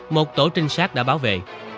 một tổ trinh sát đã bảo vệ